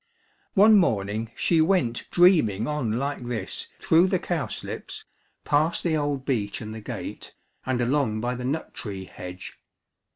One morning she went dreaming on like this through the cowslips, past the old beech and the gate, and along by the nut tree hedge.